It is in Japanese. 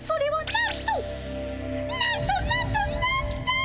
なんとなんとなんと！